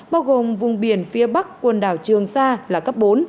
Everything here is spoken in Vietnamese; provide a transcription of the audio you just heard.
bao gồm vùng biển phía bắc quần đảo trường sa là cấp bốn